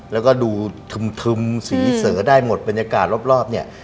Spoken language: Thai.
แล้วก็ดูทึมสีเสอได้หมดบรรยากาศรอบเนี่ย